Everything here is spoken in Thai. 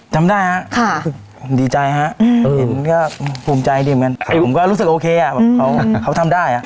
จำได้ฮะค่ะผมดีใจฮะอืมผมก็ภูมิใจดิอย่างงั้นผมก็รู้สึกโอเคฮะแบบเขาเขาทำได้ฮะ